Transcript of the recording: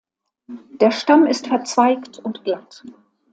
Der Stamm ist verzweigt und glatt.